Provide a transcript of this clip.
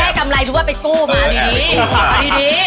ได้กำไรทุกว่าไปกู้นะดีดี